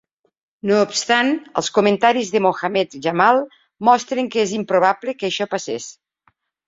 No obstant, els comentaris de Mohammed Jamal mostren que és improbable que això passés.